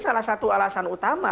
salah satu alasan utama